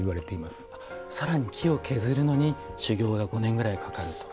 さらに木を削るのに修業が５年ぐらいかかると。